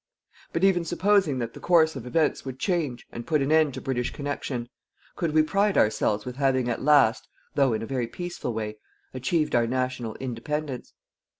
But even supposing that the course of events would change and put an end to British connection, could we pride ourselves with having at last, though in a very peaceful way, achieved our national independence?